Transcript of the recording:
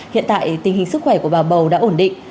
hiện tại tình hình sức khỏe của bà bầu đã ổn định